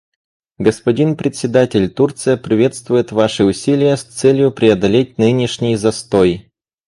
Господин Председатель, Турция приветствует ваши усилия с целью преодолеть нынешний застой.